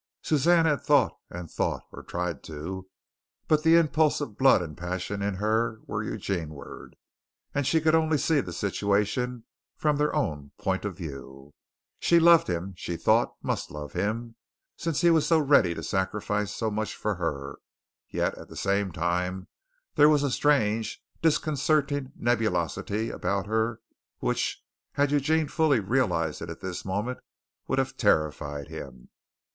Suzanne had thought and thought, or tried to, but the impulse of blood and passion in her were Eugeneward and she could only see the situation from their own point of view. She loved him, she thought must love him, since he was so ready to sacrifice so much for her; yet at the same time there was a strange, disconcerting nebulosity about her which, had Eugene fully realized it at this moment, would have terrified him.